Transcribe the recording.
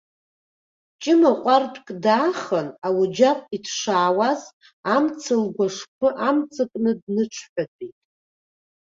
Ҷыма ҟәардәк даахан, ауаџьаҟ иҭшаауаз амца лгәы ашԥы амҵакны дныҽҳәатәеит.